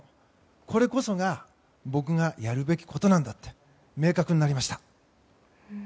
これこそが僕がやるべきことなんだって明確になりました。